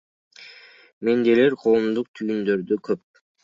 Мендейлер коомдук түйүндөрдө көп.